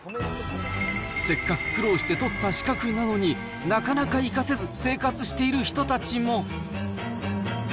せっかく苦労して取った資格なのに、なかなか生かせず、生活している人たちも。